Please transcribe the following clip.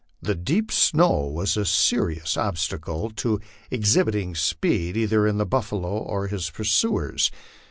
The deep snow was a serious obstacle to exhibiting speed either in the buffalo or his pursuers.